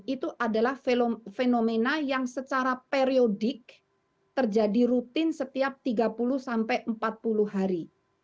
itu adalah fenomena yang secara periodik terjadi rutin setiap tiga puluh sampai empat puluh hari